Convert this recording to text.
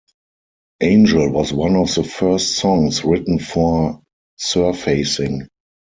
"Angel" was one of the first songs written for "Surfacing".